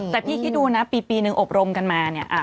แต่พี่คิดดูนะปีหนึ่งอบรมกันมา